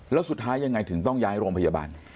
แล้วสุดท้ายยังไงถึงต้องย้ายโรงพยาบาล